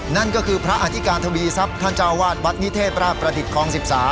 นั่นก็คือพระอธิการทวีทรัพย์ท่านเจ้าวาดวัดนิเทศราชประดิษฐ์คลอง๑๓